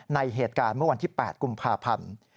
ในเหตุการณ์เมื่อวันที่๘กุมภาพันธ์